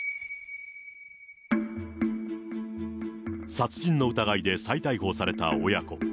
殺人の疑いで再逮捕された親子。